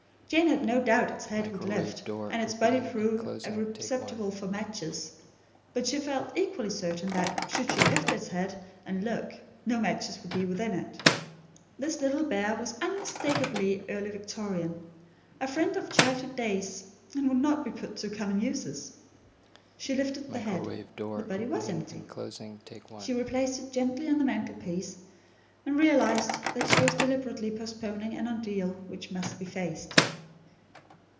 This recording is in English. Jane had no doubt its head would lift, and its body prove a receptacle for matches; but she felt equally certain that, should she lift its head and look, no matches would be within it. This little bear was unmistakably Early Victorian; a friend of childhood's days; and would not be put to common uses. She lifted the head. The body was empty. She replaced it gently on the mantelpiece, and realised that she was deliberately postponing an ordeal which must be faced.